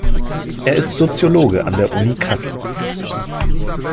Er ist Soziologe an der Uni Kassel.